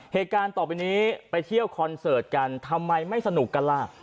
เหตุการณ์ต่อไปนี้ไปเที่ยวคอนเสิร์ตกันทำไมไม่สนุกกันล่ะ